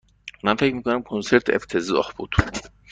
من فکر می کنم کنسرت افتضاح بود.